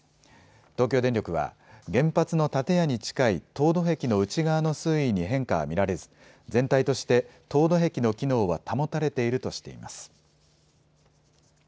東京電力は原発の建屋に近い凍土壁の内側の水位に変化は見られず全体として凍土壁の機能は保たれているとしています。